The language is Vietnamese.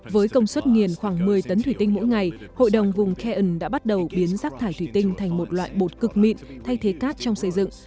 với công suất nghiền khoảng một mươi tấn thủy tinh mỗi ngày hội đồng vùng cairn đã bắt đầu biến rác thải thủy tinh thành một loại bột cực mịn thay thế cát trong xây dựng